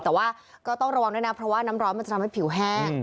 แต่ว่าก็ต้องระวังด้วยนะเพราะว่าน้ำร้อนมันจะทำให้ผิวแห้ง